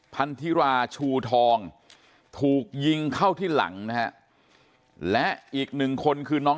พันธิราชูทองถูกยิงเข้าที่หลังนะฮะและอีกหนึ่งคนคือน้อง